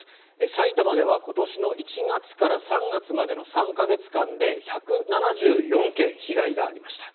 埼玉では今年の１月から３月までの３か月間で１７４件、被害がありました。